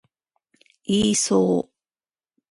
イーソー